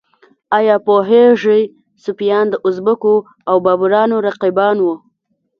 ایا پوهیږئ صفویان د ازبکو او بابریانو رقیبان وو؟